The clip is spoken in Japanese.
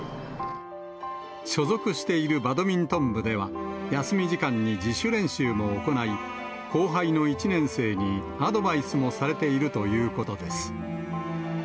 所属しているバドミントン部では、休み時間に自主練習も行い、後輩の１年生にアドバイスもされているということです。